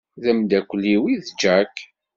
D amdakel-iw i d Jack.